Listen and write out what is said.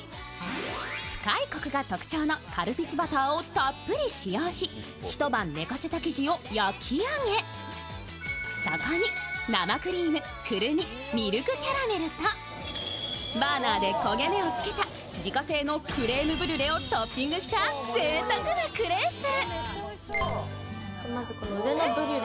深いこくが特徴のカルピスバターをたっぷり使用し、一晩寝かした生地を焼き上げ、そこに生クリームクルミ、ミルクキャラメルとバーナーで焦げ目をつけた自家製のクレームブリュレをトッピングしたぜいたくなクレープ。